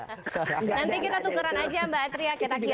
nanti kita tukeran aja mbak astria kira kira